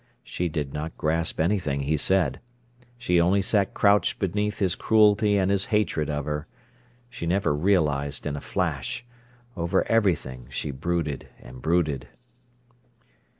She did not grasp anything he said. She only sat crouched beneath his cruelty and his hatred of her. She never realised in a flash. Over everything she brooded and brooded.